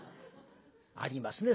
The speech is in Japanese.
ありますね